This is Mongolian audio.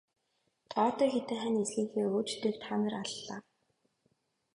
Тоотой хэдэн хань ижлийнхээ өөдтэйг та нар аллаа.